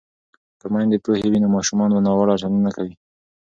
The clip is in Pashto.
که میندې پوهې وي نو ماشومان به ناوړه چلند نه کوي.